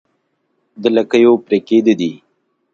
د لکيو پرې کېده دي